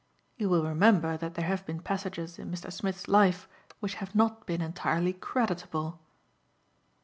You will remember that there have been passages in Mr. Smith's life which have not been entirely creditable."